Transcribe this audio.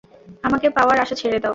আমাকে পাওয়ার আশা ছেড়ে দাও!